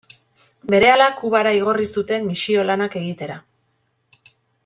Berehala, Kubara igorri zuten misio lanak egitera.